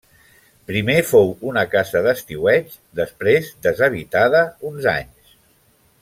Primer fou una casa d'estiueig, després deshabitada uns anys.